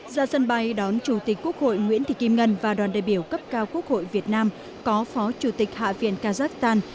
ra sân bay đón chủ tịch quốc hội nguyễn thị kim ngân và đoàn đại biểu cấp cao quốc hội việt nam có phó chủ tịch hạ viện kazakhstan